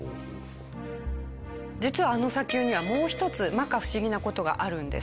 実はあの砂丘にはもう一つ摩訶不思議な事があるんです。